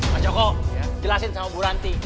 mas joko jelasin sama bu ranti